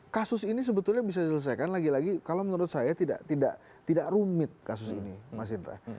kasus ini sebetulnya bisa diselesaikan lagi lagi kalau menurut saya tidak rumit kasus ini mas indra